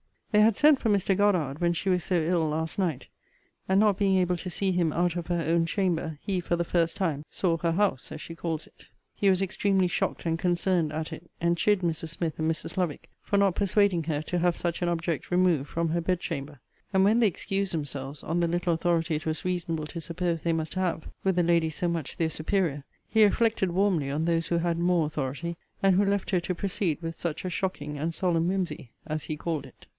They had sent for Mr. Goddard, when she was so ill last night; and not being able to see him out of her own chamber, he, for the first time, saw her house, as she calls it. He was extremely shocked and concerned at it; and chid Mrs. Smith and Mrs. Lovick for not persuading her to have such an object removed form her bed chamber: and when they excused themselves on the little authority it was reasonable to suppose they must have with a lady so much their superior, he reflected warmly on those who had more authority, and who left her to proceed with such a shocking and solemn whimsy, as he called it.